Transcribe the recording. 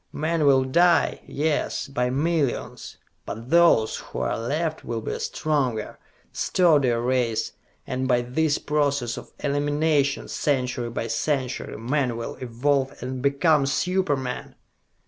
Men will die, yes, by millions; but those who are left will be a stronger, sturdier race, and by this process of elimination, century by century, men will evolve and become super men!"